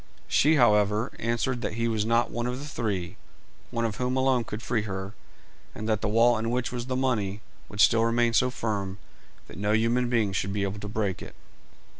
She, however, answered that he was not one of the three, one of whom alone could free her, and that the wall in which was the money would still remain so firm that no human being should be able to break it.